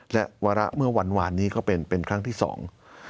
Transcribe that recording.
และวาระเมื่อวันวานนี้ก็เป็นเป็นครั้งที่สอง